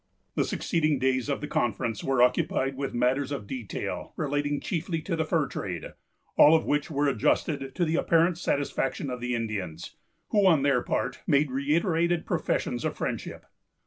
The succeeding days of the conference were occupied with matters of detail relating chiefly to the fur trade, all of which were adjusted to the apparent satisfaction of the Indians, who, on their part, made reiterated professions of friendship.